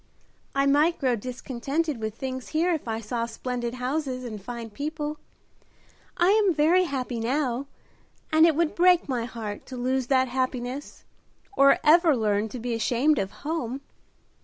"I might grow discontented with things here if I saw splendid houses and fine people. I am very happy now, and it would break my heart to lose that happiness, or ever learn to be ashamed of home."